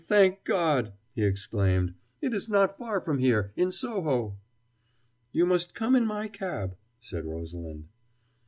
Thank God!" he exclaimed. "It is not far from here, in Soho." "You must come in my cab," said Rosalind.